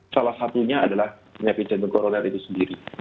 salah satunya adalah penyakit jantung koroner itu sendiri